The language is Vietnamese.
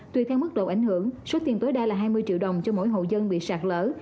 tùy theo mức độ ảnh hưởng số tiền tối đa là hai mươi triệu đồng cho mỗi hộ dân bị sạt lỡ